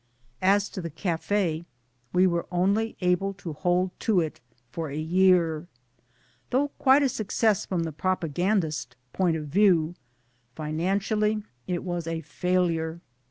As to the Cafe, we were only able to hold to it for a year. Though quite a success from the propagandist point of view, financially it was a failure.